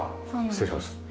失礼します。